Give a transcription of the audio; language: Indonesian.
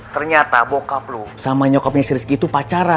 ternyata bokap lo sama nyokapnya si rizky itu pacaran